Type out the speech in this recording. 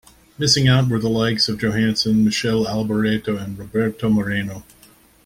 Missing out were the likes of Johansson, Michele Alboreto and Roberto Moreno.